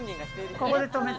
ここで止めて。